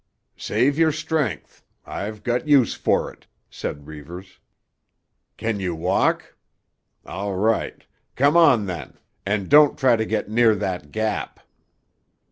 "Save your strength; I've got use for it," said Reivers. "Can you walk? All right. Come on, then, and don't try to get near that gap."